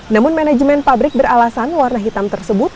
namun manajemen pabrik beralasan warna hitam tersebut